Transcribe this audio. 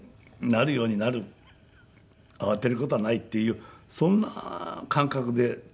なるようになる慌てる事はないっていうそんな感覚でやってきまして。